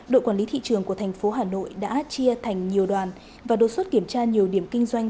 đội quản lý thị trường của thành phố hà nội đã chia thành nhiều đoàn và đột xuất kiểm tra nhiều điểm kinh doanh